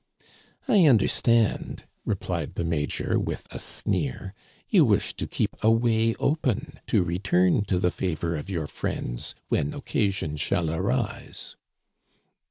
"I understand," replied the major, with a sneer, you wish to keep a way open to return to the favor of your friends when occasion shall arise."